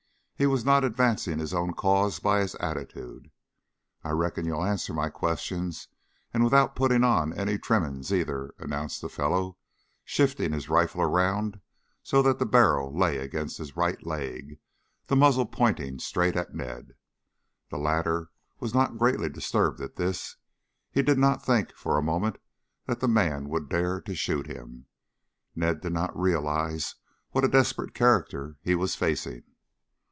He was not advancing his own cause by his attitude. "I reckon you'll answer my questions and without putting on any trimmings either," announced the fellow, shifting his rifle around so that the barrel lay along his right leg, the muzzle pointing straight at Ned. The latter was not greatly disturbed at this. He did not think, for a moment, that the man would dare to shoot him. Ned did not realize what a desperate character he was facing.